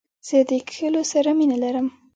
زه د کښلو سره مینه لرم.